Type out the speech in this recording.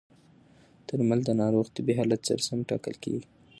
درمل د ناروغ طبي حالت سره سم ټاکل کېږي.